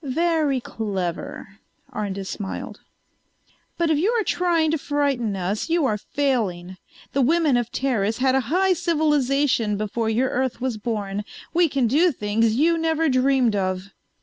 "Very clever," Arndis smiled. "But if you are trying to frighten us you are failing. The women of Teris had a high civilization before your Earth was born. We can do things you never dreamed of."